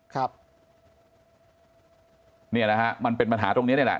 ครับนี่แหละฮะมันเป็นปัญหาตรงนี้นี่แหละ